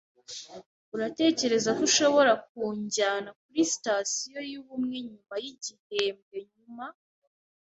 Uratekereza ko ushobora kunjyana kuri Sitasiyo yubumwe nyuma yigihembwe nyuma?